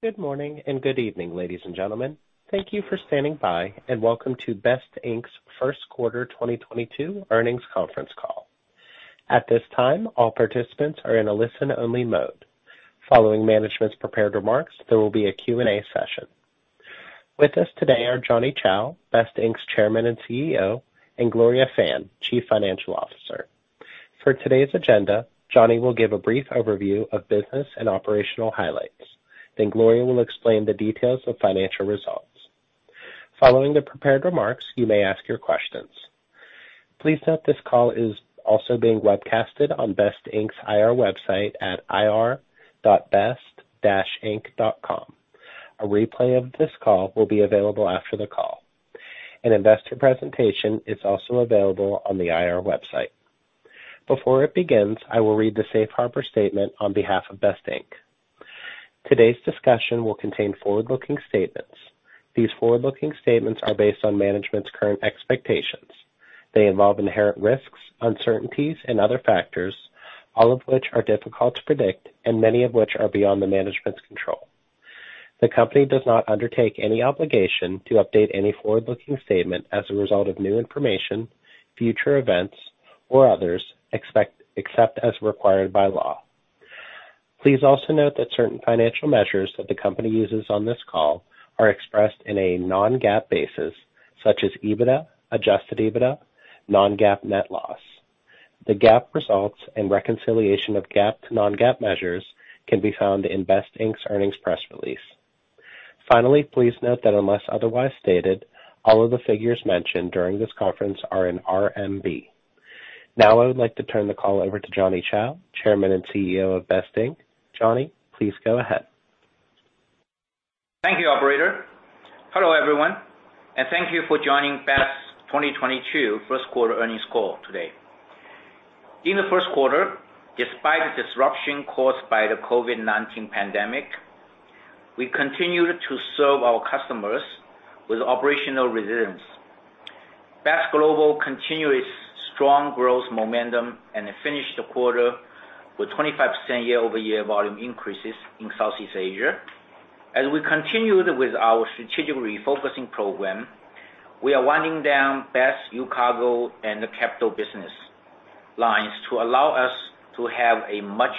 Good morning and good evening, ladies and gentlemen. Thank you for standing by, and welcome to BEST Inc.'s first quarter 2022 earnings conference call. At this time, all participants are in a listen-only mode. Following management's prepared remarks, there will be a Q&A session. With us today are Johnny Chou, BEST Inc.'s Chairman and CEO, and Gloria Fan, Chief Financial Officer. For today's agenda, Johnny will give a brief overview of business and operational highlights, then Gloria will explain the details of financial results. Following the prepared remarks, you may ask your questions. Please note this call is also being webcasted on BEST Inc.'s IR website at ir.best-inc.com. A replay of this call will be available after the call. An investor presentation is also available on the IR website. Before it begins, I will read the safe harbor statement on behalf of BEST Inc. Today's discussion will contain forward-looking statements. These forward-looking statements are based on management's current expectations. They involve inherent risks, uncertainties, and other factors, all of which are difficult to predict and many of which are beyond the management's control. The company does not undertake any obligation to update any forward-looking statement as a result of new information, future events, or otherwise, except as required by law. Please also note that certain financial measures that the company uses on this call are expressed in a non-GAAP basis, such as EBITDA, adjusted EBITDA, non-GAAP net loss. The GAAP results and reconciliation of GAAP to non-GAAP measures can be found in BEST Inc.'s earnings press release. Finally, please note that unless otherwise stated, all of the figures mentioned during this conference are in RMB. Now, I would like to turn the call over to Johnny Chou, Chairman and CEO of BEST Inc. Johnny, please go ahead. Thank you, operator. Hello, everyone, and thank you for joining BEST's 2022 first quarter earnings call today. In the first quarter, despite the disruption caused by the COVID-19 pandemic, we continued to serve our customers with operational resilience. BEST Global continued its strong growth momentum and finished the quarter with 25% year-over-year volume increases in Southeast Asia. As we continued with our strategic refocusing program, we are winding down UCargo and the BEST Capital business lines to allow us to have a much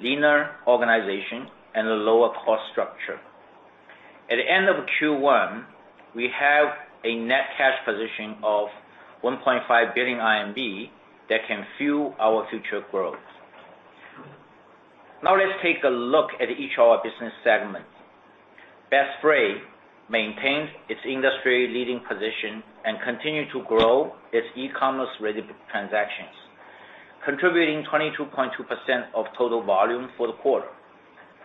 leaner organization and a lower cost structure. At the end of Q1, we have a net cash position of 1.5 billion RMB that can fuel our future growth. Now let's take a look at each of our business segments. BEST Freight maintained its industry-leading position and continued to grow its e-commerce-related transactions, contributing 22.2% of total volume for the quarter,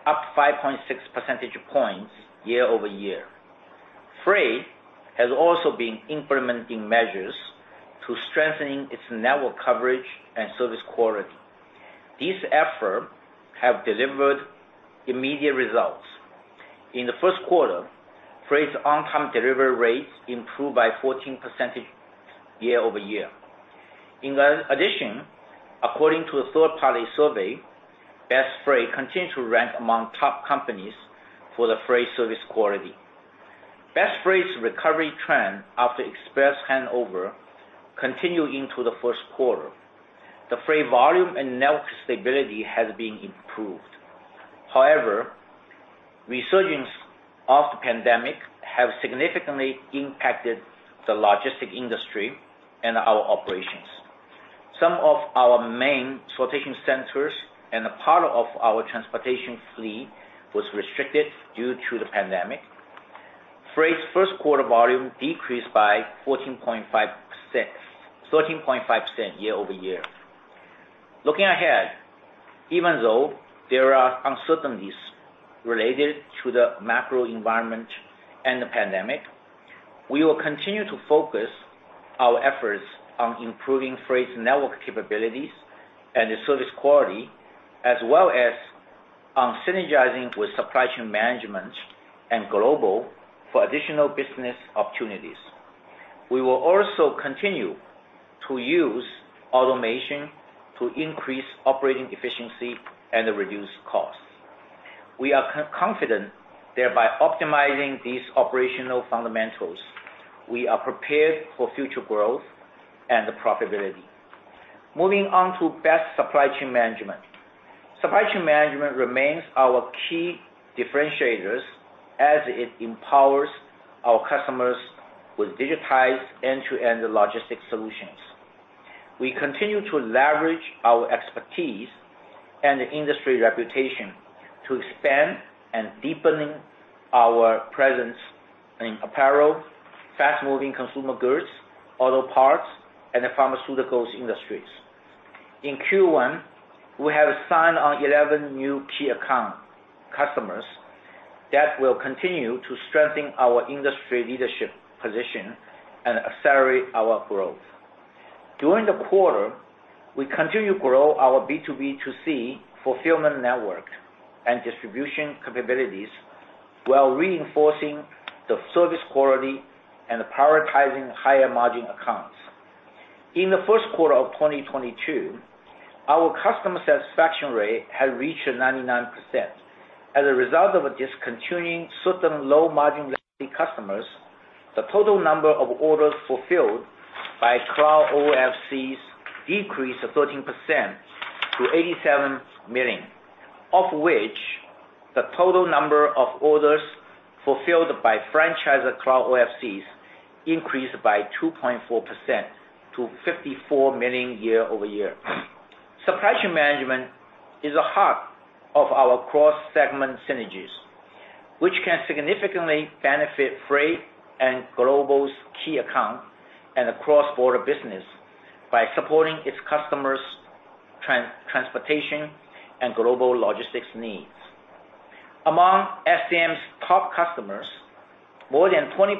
up 5.6 percentage points year-over-year. BEST Freight has also been implementing measures to strengthen its network coverage and service quality. These efforts have delivered immediate results. In the first quarter, BEST Freight's on-time delivery rates improved by 14% year-over-year. In addition, according to a third-party survey, BEST Freight continues to rank among top companies for the freight service quality. BEST Freight's recovery trend after Express handover continued into the first quarter. The freight volume and network stability has been improved. However, resurgence of the pandemic has significantly impacted the logistics industry and our operations. Some of our main sortation centers and a part of our transportation fleet was restricted due to the pandemic. Freight's first quarter volume decreased by 13.5% year-over-year. Looking ahead, even though there are uncertainties related to the macro environment and the pandemic, we will continue to focus our efforts on improving BEST Freight's network capabilities and the service quality, as well as on synergizing with BEST Supply Chain Management and BEST Global for additional business opportunities. We will also continue to use automation to increase operating efficiency and reduce costs. We are confident that by optimizing these operational fundamentals, we are prepared for future growth and profitability. Moving on to BEST Supply Chain Management. Supply chain management remains our key differentiator as it empowers our customers with digitized end-to-end logistics solutions. We continue to leverage our expertise and industry reputation to expand and deepening our presence in apparel, fast-moving consumer goods, auto parts, and the pharmaceuticals industries. In Q1, we have signed on 11 new key account customers that will continue to strengthen our industry leadership position and accelerate our growth. During the quarter, we continued to grow our B2B2C fulfillment network and distribution capabilities while reinforcing the service quality and prioritizing higher-margin accounts. In the first quarter of 2022, our customer satisfaction rate had reached 99%. As a result of discontinuing certain low-margin customers, the total number of orders fulfilled by Cloud OFCs decreased 13% to 87 million, of which the total number of orders fulfilled by franchiser Cloud OFCs increased by 2.4% to 54 million year-over-year. Supply chain management is at the heart of our cross-segment synergies, which can significantly benefit Freight and Global's key account and the cross-border business by supporting its customers' transportation and global logistics needs. Among SCM's top customers, more than 20%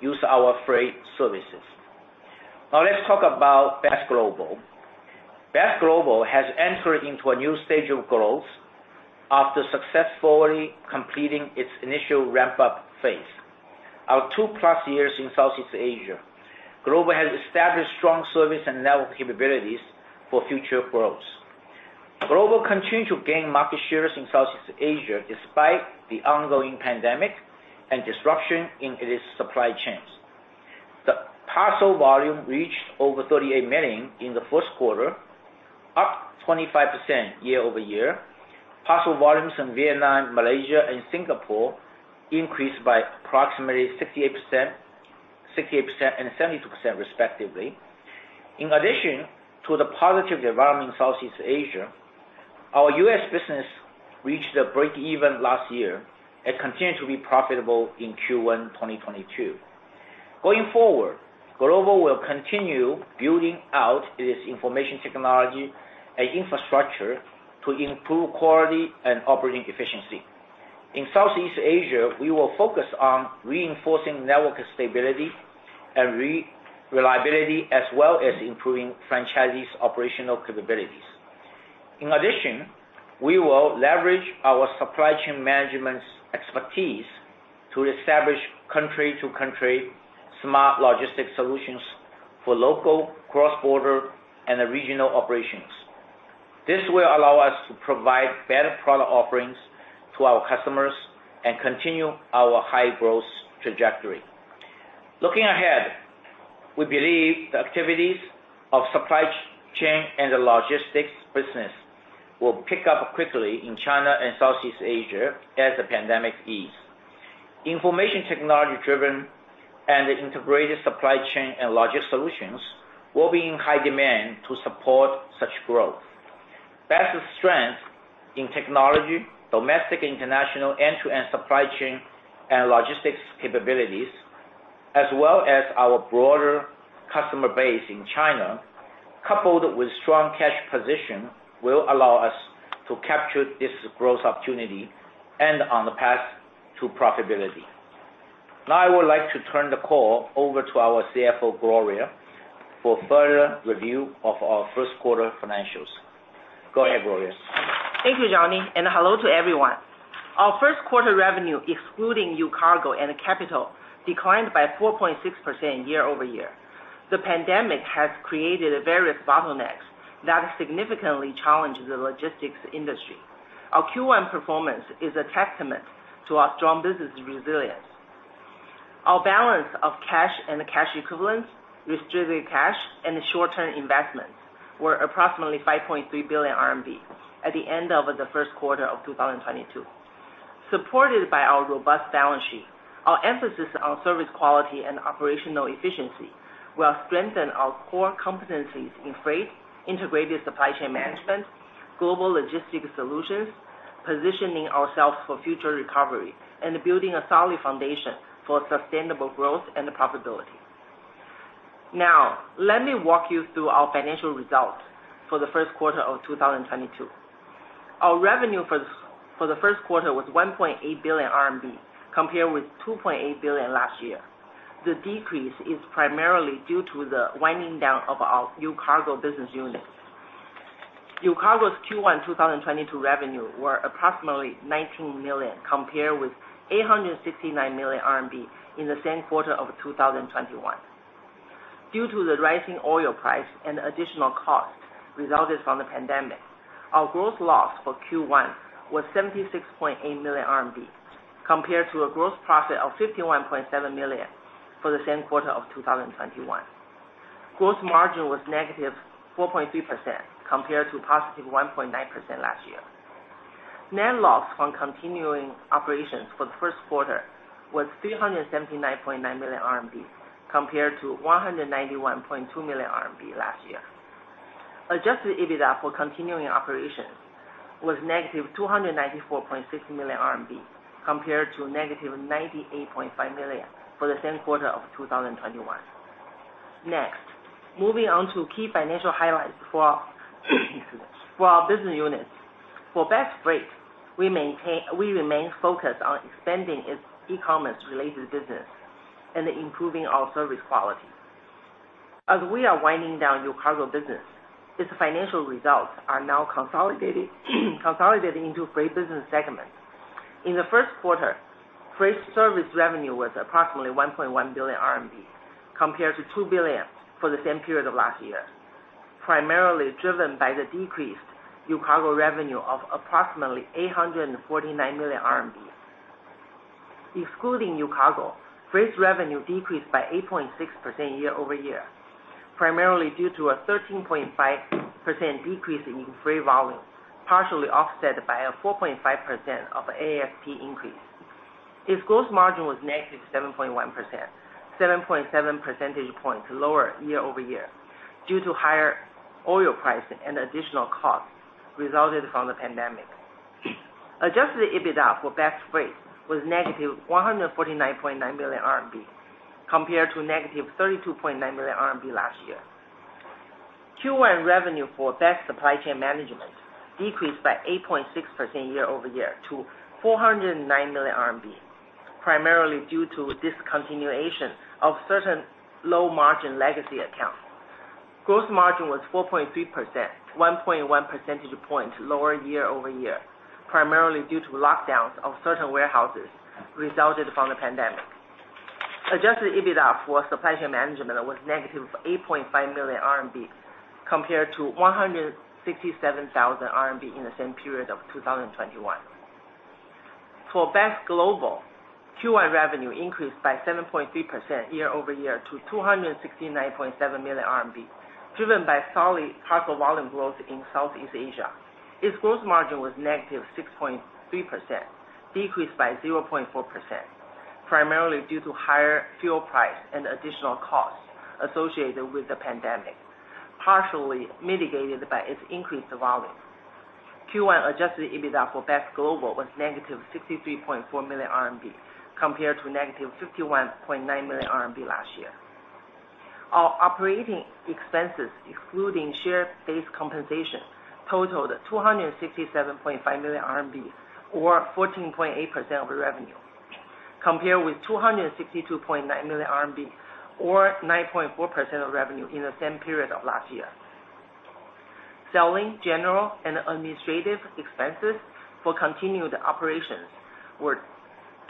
use our freight services. Now let's talk about BEST Global. BEST Global has entered into a new stage of growth after successfully completing its initial ramp-up phase. In our two plus years in Southeast Asia, Global has established strong service and network capabilities for future growth. Global continued to gain market shares in Southeast Asia, despite the ongoing pandemic and disruption in its supply chains. The parcel volume reached over 38 million in the first quarter, up 25% year-over-year. Parcel volumes in Vietnam, Malaysia, and Singapore increased by approximately 68%, 68%, and 72% respectively. In addition to the positive environment in Southeast Asia, our U.S. business reached a break-even last year and continued to be profitable in Q1 2022. Going forward, Global will continue building out its information technology and infrastructure to improve quality and operating efficiency. / In Southeast Asia, we will focus on reinforcing network stability and reliability, as well as improving franchisees' operational capabilities. In addition, we will leverage our supply chain management's expertise to establish country-to-country smart logistics solutions for local cross-border and regional operations. This will allow us to provide better product offerings to our customers and continue our high-growth trajectory. Looking ahead, we believe the activities of supply chain and the logistics business will pick up quickly in China and Southeast Asia as the pandemic eases. Information technology-driven and integrated supply chain and logistics solutions will be in high demand to support such growth. BEST's strength in technology, domestic, international, end-to-end supply chain and logistics capabilities, as well as our broader customer base in China, coupled with strong cash position, will allow us to capture this growth opportunity and on the path to profitability. Now I would like to turn the call over to our CFO, Gloria, for further review of our first quarter financials. Go ahead, Gloria. Thank you, Johnny, and hello to everyone. Our first quarter revenue, excluding UCargo and BEST Capital, declined by 4.6% year-over-year. The pandemic has created various bottlenecks that have significantly challenged the logistics industry. Our Q1 performance is a testament to our strong business resilience. Our balance of cash and cash equivalents with distributed cash and short-term investments were approximately 5.3 billion RMB at the end of the first quarter of 2022. Supported by our robust balance sheet, our emphasis on service quality and operational efficiency will strengthen our core competencies in BEST Freight, BEST Supply Chain Management, BEST Global, positioning ourselves for future recovery, and building a solid foundation for sustainable growth and profitability. Now, let me walk you through our financial results for the first quarter of 2022. Our revenue for the first quarter was 1.8 billion RMB, compared with 2.8 billion last year. The decrease is primarily due to the winding down of our UCargo business unit. UCargo's Q1 2022 revenue was approximately 19 million, compared with 869 million RMB in the same quarter of 2021. Due to the rising oil price and additional costs resulting from the pandemic, our gross loss for Q1 was 76.8 million RMB compared to a gross profit of 51.7 million for the same quarter of 2021. Gross margin was -4.3% compared to 1.9% last year. Net loss from continuing operations for the first quarter was 379.9 million RMB compared to 191.2 million RMB last year. Adjusted EBITDA for continuing operations was -294.6 million RMB compared to -98.5 million for the same quarter of 2021. Next, moving on to key financial highlights for our business units. For BEST Freight, we remain focused on expanding its e-commerce related business and improving our service quality. As we are winding down UCargo business, its financial results are now consolidated into Freight business segment. In the first quarter, freight service revenue was approximately 1.1 billion RMB compared to 2 billion for the same period of last year, primarily driven by the decreased UCargo revenue of approximately 849 million RMB. Excluding UCargo, freight revenue decreased by 8.6% year-over-year, primarily due to a 13.5% decrease in freight volume, partially offset by a 4.5% AASP increase. Its gross margin was -7.1%, 7.7 percentage points lower year-over-year due to higher oil pricing and additional costs resulted from the pandemic. Adjusted EBITDA for BEST Freight was -149.9 million RMB compared to -32.9 million RMB last year. Q1 revenue for BEST Supply Chain Management decreased by 8.6% year-over-year to 409 million RMB, primarily due to discontinuation of certain low-margin legacy accounts. Gross margin was 4.3%, 1.1 percentage points lower year-over-year, primarily due to lockdowns of certain warehouses resulted from the pandemic. adjusted EBITDA for Supply Chain Management was negative 8.5 million RMB compared to 167,000 RMB in the same period of 2021. For BEST Global, Q1 revenue increased by 7.3% year-over-year to 269.7 million RMB, driven by solid cargo volume growth in Southeast Asia. Its gross margin was -6.3%, decreased by 0.4%, primarily due to higher fuel price and additional costs associated with the pandemic, partially mitigated by its increased volume. Q1 adjusted EBITDA for BEST Global was -63.4 million RMB compared to -51.9 million RMB last year. Our operating expenses, excluding share-based compensation, totaled 267.5 million RMB or 14.8% of the revenue, compared with 262.9 million RMB or 9.4% of revenue in the same period of last year. Selling, general, and administrative expenses for continuing operations were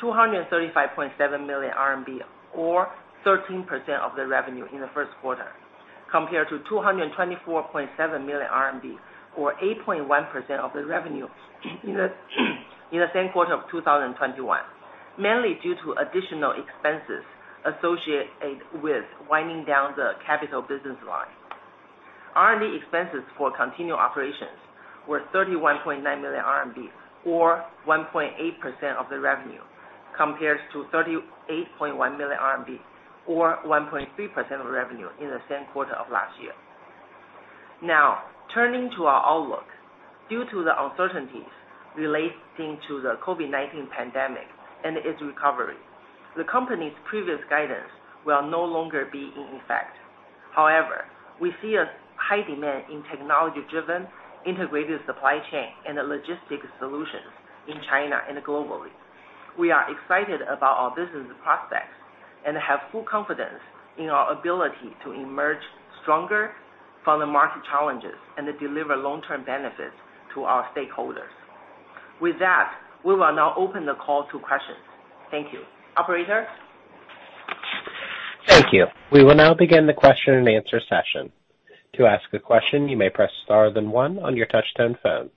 235.7 million RMB, or 13% of the revenue in the first quarter compared to 224.7 million RMB or 8.1% of the revenue in the same quarter of 2021, mainly due to additional expenses associated with winding down the capital business line. R&D expenses for continued operations were 31.9 million RMB or 1.8% of the revenue compared to 38.1 million RMB or 1.3% of revenue in the same quarter of last year. Now, turning to our outlook. Due to the uncertainties relating to the COVID-19 pandemic and its recovery, the company's previous guidance will no longer be in effect. However, we see a high demand in technology-driven integrated supply chain and logistics solutions in China and globally. We are excited about our business prospects and have full confidence in our ability to emerge stronger from the market challenges and to deliver long-term benefits to our stakeholders. With that, we will now open the call to questions. Thank you. Operator? Thank you. We will now begin the question-and-answer session. To ask a question, you may press star then one on your touch tone phone.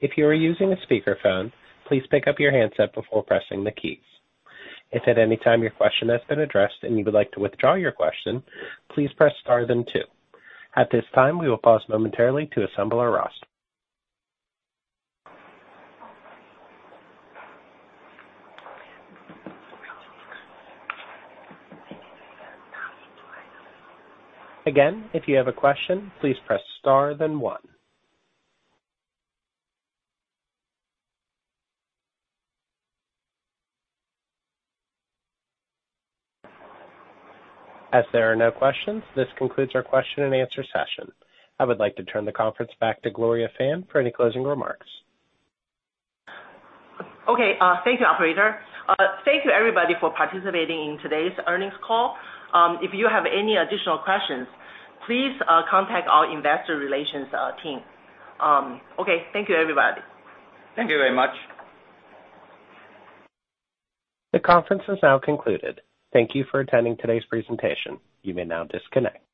If you are using a speaker phone, please pick up your handset before pressing the keys. If at any time your question has been addressed and you would like to withdraw your question, please press star then two. At this time, we will pause momentarily to assemble our roster. Again, if you have a question, please press star then one. As there are no questions, this concludes our question-and-answer session. I would like to turn the conference back to Gloria Fan for any closing remarks. Okay, thank you, operator. Thank you everybody for participating in today's earnings call. If you have any additional questions, please, contact our investor relations team. Okay. Thank you, everybody. Thank you very much. The conference is now concluded. Thank you for attending today's presentation. You may now disconnect.